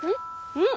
うん！